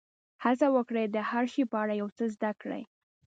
هڅه وکړئ د هر شي په اړه یو څه زده کړئ.